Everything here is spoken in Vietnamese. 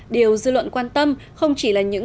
điều dư luận quan tâm không chỉ là những